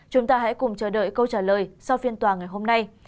chúng ta hãy cùng chờ đợi câu trả lời sau phiên tòa ngày hôm nay